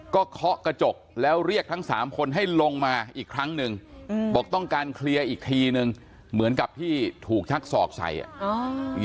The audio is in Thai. ก็เคาะกระจกแล้วเรียกทั้งสามคนให้ลงมาอีกครั้งหนึ่งบอกต้องการเคลียร์อีกทีนึงเหมือนกับที่ถูกชักศอกใส่อ่ะ